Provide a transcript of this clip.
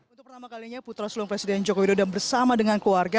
untuk pertama kalinya putra sulung presiden joko widodo bersama dengan keluarga